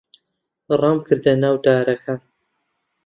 ڕامکردە ناو دارەکان.